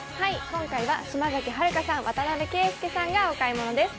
今回は島崎遥香さん、渡邊圭祐さんがお買い物です。